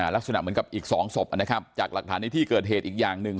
ลักษณะเหมือนกับอีก๒ศพนะครับจากหลักฐานในที่เกิดเหตุอีกอย่างหนึ่ง